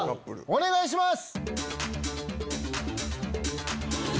お願いします。